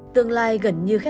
tương lai gần như khép